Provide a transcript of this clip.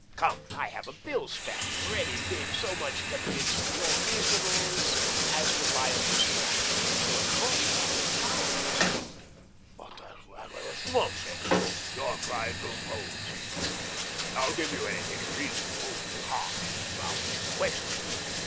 Come — I have a bill stamp ready, being so much convinced of your reasonableness as to buy it this morning, though it cost five pounds." "But that's nonsense — you're trying to impose. I'll give you anything reasonable — half is out of the question.